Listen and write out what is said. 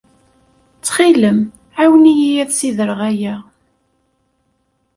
Ttxil-m, ɛawen-iyi ad ssidreɣ aya.